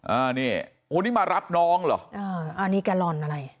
อันนี้มารับน้องหรออันนี้แกลลอนอะไร